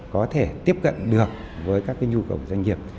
có thể tiếp cận được với các nhu cầu của doanh nghiệp